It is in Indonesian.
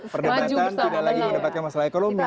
perdebatan tidak lagi mendapatkan masalah ekonomi